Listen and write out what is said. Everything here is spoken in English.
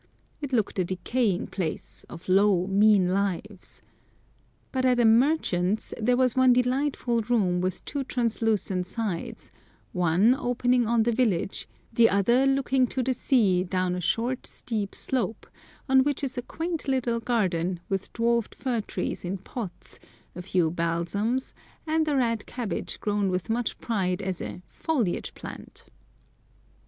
It looked a decaying place, of low, mean lives. But at a "merchant's" there was one delightful room with two translucent sides—one opening on the village, the other looking to the sea down a short, steep slope, on which is a quaint little garden, with dwarfed fir trees in pots, a few balsams, and a red cabbage grown with much pride as a "foliage plant."